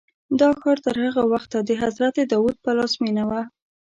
دا ښار تر هغه وخته د حضرت داود پلازمینه وه.